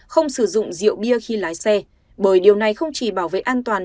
không sử dụng rượu bia khi lái xe bởi điều này không chỉ bảo vệ an toàn